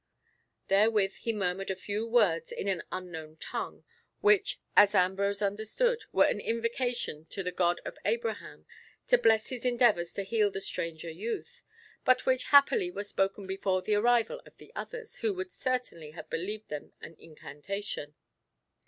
Therewith he murmured a few words in an unknown tongue, which, as Ambrose understood, were an invocation to the God of Abraham to bless his endeavours to heal the stranger youth, but which happily were spoken before the arrival of the others, who would certainly have believed them an incantation.